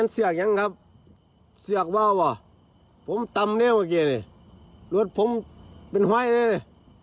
สงสัยเกิดอันตรายแน่